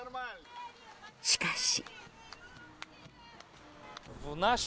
しかし。